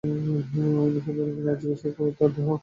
অনুসন্ধিৎসু আর জিজ্ঞাসু তার দেহ-অন্তর।